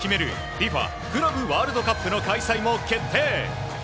ＦＩＦＡクラブワールドカップの開催も決定。